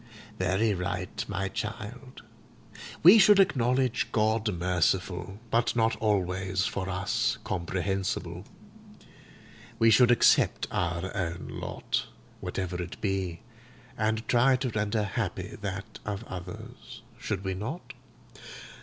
"Very right, my child. We should acknowledge God merciful, but not always for us comprehensible. We should accept our own lot, whatever it be, and try to render happy that of others. Should we not?